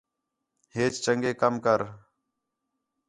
ہیچ چنڳے کَم کر